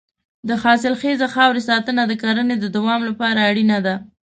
د حاصلخیزې خاورې ساتنه د کرنې د دوام لپاره اړینه ده.